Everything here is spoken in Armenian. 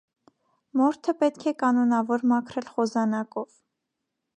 Մորթը պետք է կանոնավոր մաքրել խոզանակով։